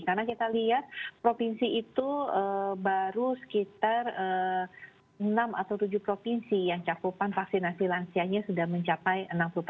karena kita lihat provinsi itu baru sekitar enam atau tujuh provinsi yang capupan vaksinasi lansianya sudah mencapai enam puluh